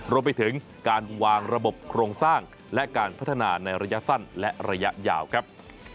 รวมไปถึงการวางระบบโครงสร้างและการพัฒนาในระยะสั้นและระยะยาวครับ